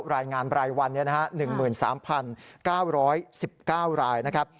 รายงานรายวัน๑๓๙๑๙รายนะครับ